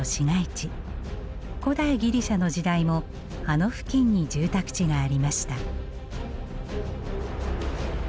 古代ギリシャの時代もあの付近に住宅地がありました。